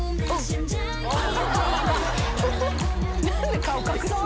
何で顔隠すの？